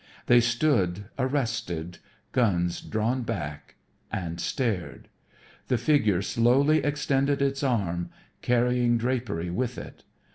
They stood arrested, guns drawn back, and stared. The figure slowly extended its arm, carrying drapery with it.